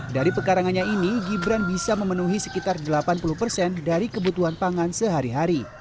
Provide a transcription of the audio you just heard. dari pekarangannya ini gibran bisa memenuhi sekitar delapan puluh persen dari kebutuhan pangan sehari hari